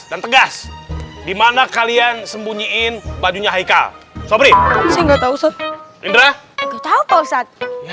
dan tegas dimana kalian sembunyiin bajunya haikal sobring enggak tahu setindra tahu pesat